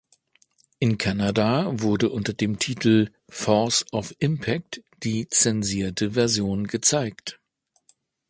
In Kanada wurde unter dem Titel "Force of Impact", die zensierte Version gezeigt.